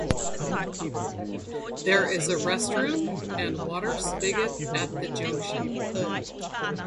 There is a restroom and water spigot at the junction.